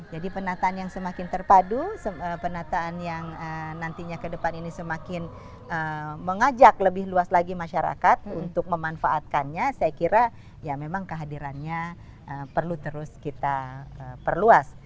jadi penataan yang semakin terpadu penataan yang nantinya ke depan ini semakin mengajak lebih luas lagi masyarakat untuk memanfaatkannya saya kira ya memang kehadirannya perlu terus kita perluas